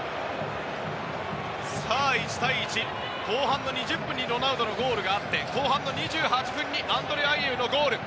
１対１、後半の２０分にロナウドのゴールがあって後半２８分にアンドレ・アイェウのゴール。